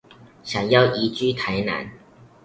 想要移居台南